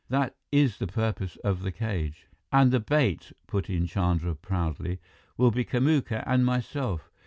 That is the purpose of the cage." "And the bait," put in Chandra proudly, "will be Kamuka and myself.